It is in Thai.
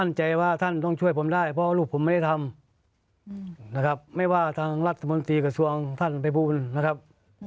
รัฐมนตรีกระทรวงท่านไปบูลนะครับ